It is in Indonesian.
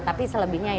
tapi selebihnya ya itu